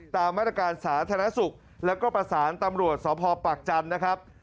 ตามมาตรการสาธารณสุขแล้วก็ประสานตำรวจสพปากจันทร์นะครับ